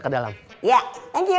ke dalam ya thank you